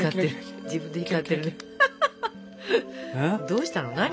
どうしたの？